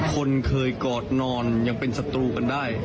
คนเคยกอดนอนยังเป็นศัตรูกันได้